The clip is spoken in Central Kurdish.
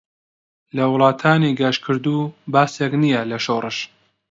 لە ولاتانی گەشکردو باسێك نییە لە شۆرش.